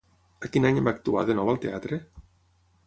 A quin any va actuar de nou al teatre?